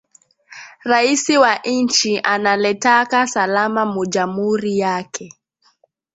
Raisi wa inchi ana letaka salama mu jamuri yake